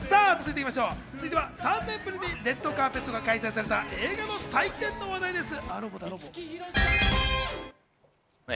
続いては３年ぶりにレッドカーペットが開催された映画の祭典の話題です。